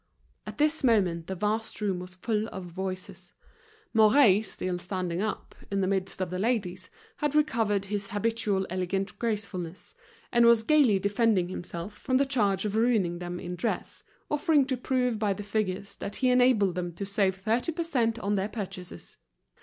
At this moment the vast room was full of voices. Mouret still standing up, in the midst of the ladies, had recovered his habitual elegant gracefulness, and was gaily defending himself from the charge of ruining them in dress, offering to prove by the figures that he enabled them to save thirty per cent on their purchases.